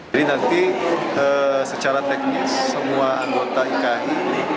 jadi nanti secara teknis semua anggota ikai ini